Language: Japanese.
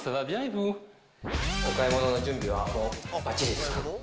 お買い物の準備はばっちりですか？